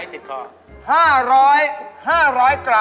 อ๋อไทท์ติดคอ